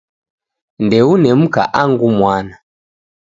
Ndeune mka angu mwana.